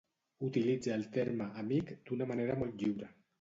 Utilitza el terme 'amic' d'una manera molt lliure.